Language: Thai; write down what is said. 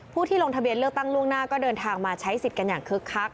ที่ลงทะเบียนเลือกตั้งล่วงหน้าก็เดินทางมาใช้สิทธิ์กันอย่างคึกคัก